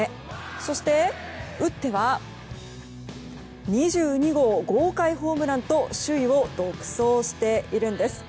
そして、打っては２２号豪快ホームランと首位を独走しているんです。